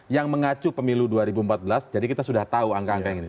yang mengacu pemilu dua ribu empat belas jadi kita sudah tahu angka angka yang ini